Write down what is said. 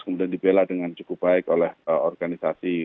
kemudian dibela dengan cukup baik oleh organisasi